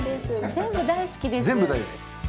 全部大好きですか。